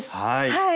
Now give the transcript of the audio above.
はい。